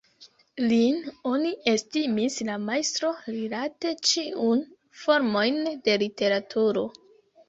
Lin oni estimis la majstro rilate ĉiun formojn de literaturo.